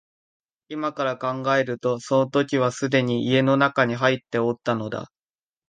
今から考えるとその時はすでに家の内に入っておったのだ